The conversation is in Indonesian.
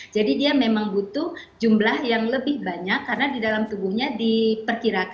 jadi dia memang butuh jumlah yang lebih banyak karena di dalam tubuhnya